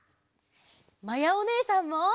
まやおねえさんも。